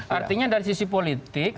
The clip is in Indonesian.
artinya dari sisi politik